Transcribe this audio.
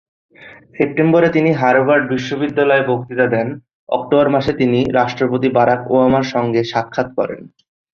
সেপ্টেম্বরে তিনি হার্ভার্ড বিশ্ববিদ্যালয়ে বক্তৃতা দেন, অক্টোবর মাসে তিনি রাষ্ট্রপতি বারাক ওবামার সঙ্গে সাক্ষাত করেন।